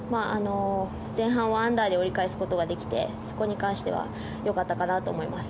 前半をアンダーで折り返すことができてそこに関しては良かったかなと思います。